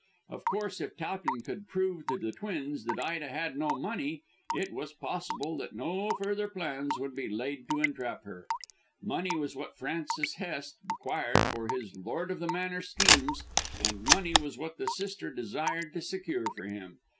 Of course, if Towton could prove to the twins that Ida had no money it was possible that no further plans would be laid to entrap her. Money was what Francis Hest required for his lord of the manor schemes, and money was what the sister desired to secure for him.